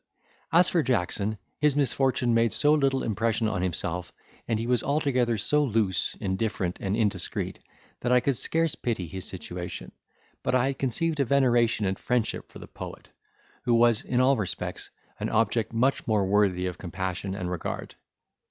As for Jackson, his misfortune made so little impression on himself, and he was altogether so loose, indifferent, and indiscreet, that I could scarce pity his situation: but I had conceived a veneration and friendship for the poet, who was, in all respects, an object much more worthy of compassion and regard.